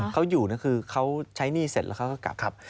เขาอยู่คือเขาใช้หนี้เสร็จแล้วเขาก็กลับ